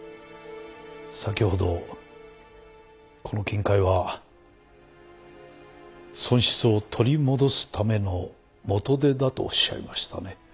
先ほどこの金塊は損失を取り戻すための元手だとおっしゃいましたね？